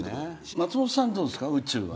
松本さん、どうですか宇宙は。